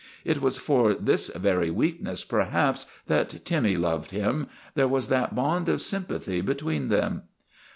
It was for his very weaknesses, perhaps, that Timmy loved him ; there was that bond of sympathy between them.